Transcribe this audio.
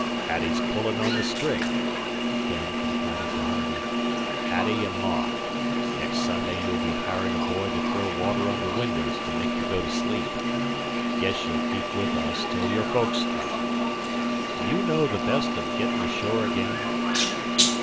"Hattie's pulling on the string," Dan confided to Harvey. "Hattie an' Ma. Next Sunday you'll be hirin' a boy to throw water on the windows to make ye go to sleep. 'Guess you'll keep with us till your folks come. Do you know the best of gettin' ashore again?"